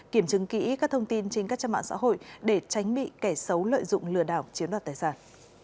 kiểm chứng kỹ các thông tin trên các trang mạng xã hội để tránh bị kẻ xấu lợi dụng lừa đảo chiếm đoạt tài sản